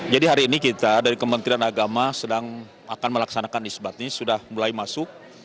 jadi hari ini kita dari kementerian agama akan melaksanakan isbat ini sudah mulai masuk